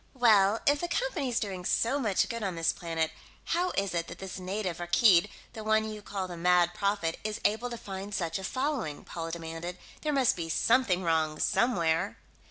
"Well, if the Company's doing so much good on this planet, how is it that this native, Rakkeed, the one you call the Mad Prophet, is able to find such a following?" Paula demanded. "There must be something wrong somewhere."